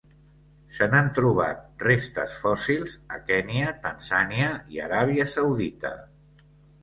Se n'han trobat restes fòssils a Kenya, Tanzània i Aràbia Saudita.